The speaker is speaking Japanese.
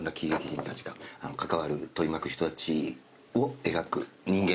人たちが関わる取り巻く人たちを描く。